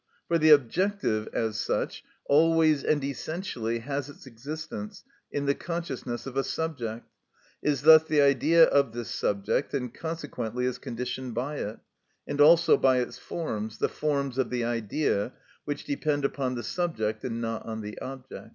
For the objective, as such, always and essentially has its existence in the consciousness of a subject, is thus the idea of this subject, and consequently is conditioned by it, and also by its forms, the forms of the idea, which depend upon the subject and not on the object.